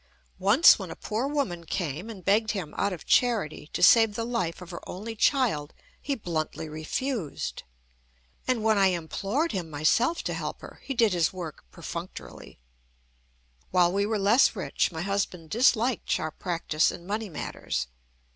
Once when a poor woman came, and begged him, out of charity, to save the life of her only child, he bluntly refused. And when I implored him myself to help her, he did his work perfunctorily. While we were less rich my husband disliked sharp practice in money matters.